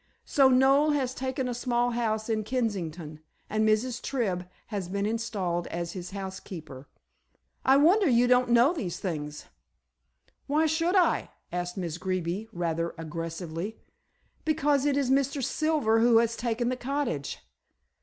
So Noel has taken a small house in Kensington, and Mrs. Tribb has been installed as his housekeeper. I wonder you didn't know these things." "Why should I?" asked Miss Greeby, rather aggressively. "Because it is Mr. Silver who has taken the cottage."